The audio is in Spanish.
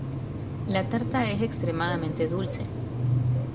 La tarta es extremadamente dulce.